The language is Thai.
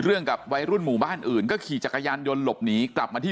กับวัยรุ่นหมู่บ้านอื่นก็ขี่จักรยานยนต์หลบหนีกลับมาที่